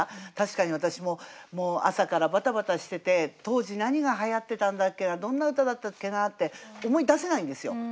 確かに私ももう朝からバタバタしてて当時何がはやってたんだっけなどんな歌だったっけなって思い出せないんですよ。